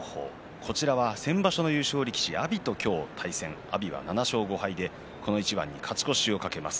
こちらは先場所の優勝力士と阿炎と今日対戦阿炎は７勝５敗でこの一番に勝ち越しを懸けます。